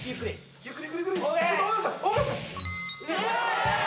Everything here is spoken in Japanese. ゆっくりゆっくり。